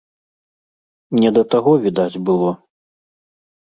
Не да таго, відаць, было.